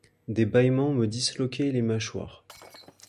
Des bâillements me disloquaient les mâchoires.